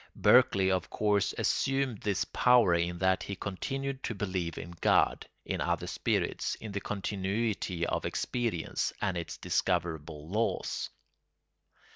Berkeley of course assumed this power in that he continued to believe in God, in other spirits, in the continuity of experience, and in its discoverable laws.